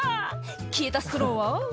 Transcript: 「消えたストローは」